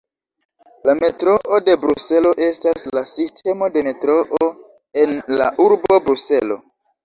La Metroo de Bruselo estas la sistemo de metroo en la urbo Bruselo.